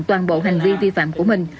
toàn bộ hành vi vi phạm của mình